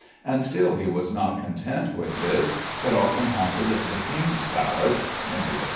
And still he was not content with this, but often haunted the king's palace (Henry I.)